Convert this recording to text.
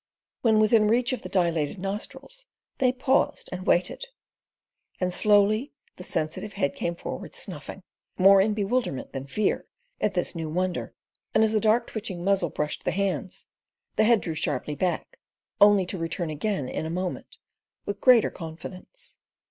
When within reach of the dilated nostrils, they paused and waited, and slowly the sensitive head came forward snuffing, more in bewilderment than fear at this new wonder, and as the dark twitching muzzle brushed the hands, the head drew sharply back, only to return again in a moment with greater confidence.